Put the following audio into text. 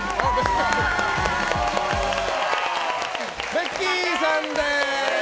ベッキーさんです。